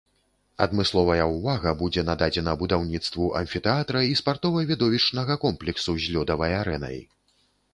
Адмысловая ўвага будзе нададзена будаўніцтву амфітэатра і спартова-відовішчнага комплексу з лёдавай арэнай.